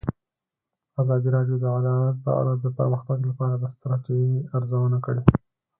ازادي راډیو د عدالت په اړه د پرمختګ لپاره د ستراتیژۍ ارزونه کړې.